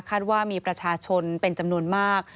ว่ามีประชาชนเป็นจำนวนมาก